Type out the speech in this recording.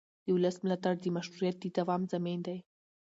د ولس ملاتړ د مشروعیت د دوام ضامن دی